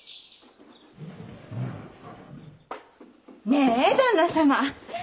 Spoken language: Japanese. ねえ旦那様。